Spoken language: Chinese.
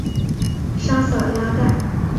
沙瑟拉代。